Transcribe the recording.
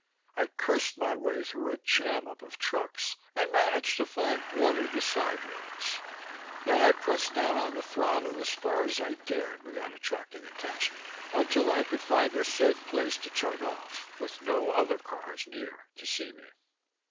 I cursed my way through a jam up of trucks, and managed to find one of the side roads. Then I pressed down on the throttle as far as I dared without attracting attention, until I could find a safe place to turn off with no other cars near to see me.